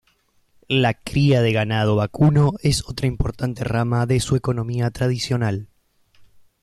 La cría de ganado vacuno es otra importante rama de su economía tradicional.